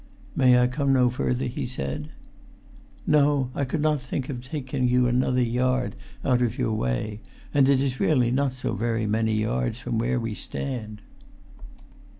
"May I come no further?" he said. "No, I could not think of taking you another yard out of your way. And it is really not so very many yards from where we stand!"